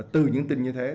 từ những tin như thế